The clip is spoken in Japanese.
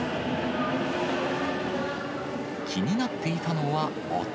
気になっていたのは音。